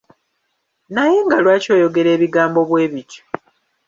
Naye nga lwaki oyogera ebigambo bwebityo.